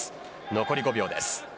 残り５秒です。